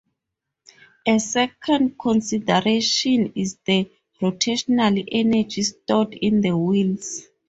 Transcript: A second consideration is the rotational energy stored in the wheels.